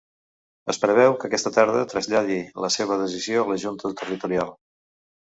Es preveu que aquesta tarda traslladi la seva decisió a la junta territorial.